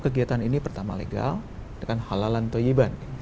kegiatan ini pertama legal halalan tojiban